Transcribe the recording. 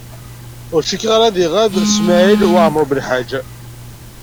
Ur cukkteɣ ara ad iɣab Smawil Waɛmaṛ U Belḥaǧ.